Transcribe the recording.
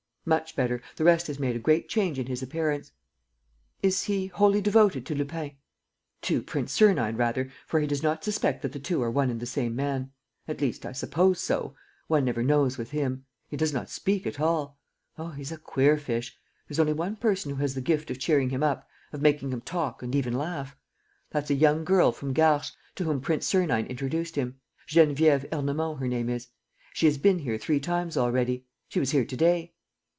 "Much better. The rest has made a great change in his appearance." "Is he wholly devoted to Lupin?" "To Prince Sernine, rather, for he does not suspect that the two are one and the same man. At least, I suppose so. One never knows, with him. He does not speak at all. Oh, he's a queer fish! There's only one person who has the gift of cheering him up, of making him talk and even laugh. That's a young girl from Garches, to whom Prince Sernine introduced him. Geneviève Ernemont her name is. She has been here three times already ... she was here to day."